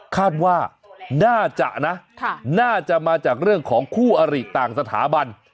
คาดว่าน่าจะนะน่าจะมาจากเรื่องของคู่อริต่างสถาบัน